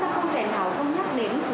chúng ta không thể nào không nhắc đến